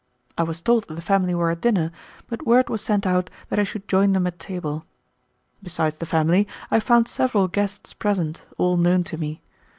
I was told that the family were at dinner, but word was sent out that I should join them at table. Besides the family, I found several guests present, all known to me.